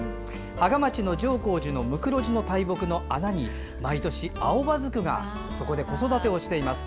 芳賀町の城興寺のムクロジの大木の穴に毎年、アオバズクが子育てをしています。